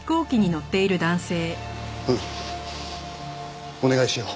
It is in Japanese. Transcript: うんお願いしよう。